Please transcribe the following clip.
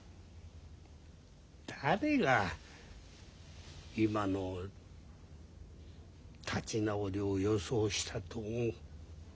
誰が今の立ち直りを予想したと思う？